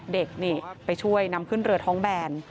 เด็กนี่ไปช่วยนำขึ้นเรือท้องแบน